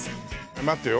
待ってよ。